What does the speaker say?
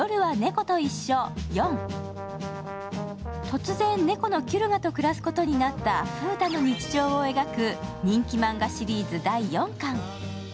突然、猫のキュルガと暮らすことになったフータの日常を描く人気マンガシリーズ第４巻。